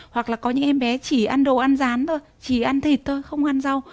hoặc là có những em bé chỉ ăn đồ ăn rán thôi chỉ ăn thịt thôi không ăn rau